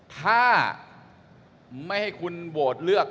ถ้าไม่ให้คุณโหวตเลือก